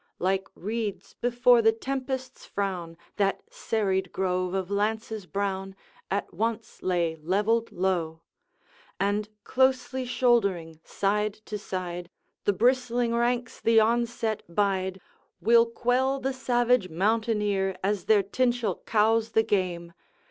" Like reeds before the tempest's frown, That serried grove of lances brown At once lay levelled low; And closely shouldering side to side, The bristling ranks the onset bide. " "We'll quell the savage mountaineer, As their Tinchel cows the game!